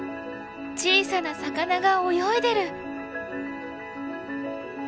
小さな魚が泳いでる！